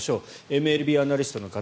ＭＬＢアナリストの方